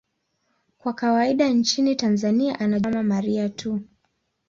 Kwa kawaida nchini Tanzania anajulikana kama 'Mama Maria' tu.